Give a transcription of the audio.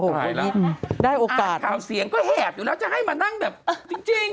ตายแล้วอาจเขาเสียงก็แหอยู่แล้วจะให้มานั่งแบบจริง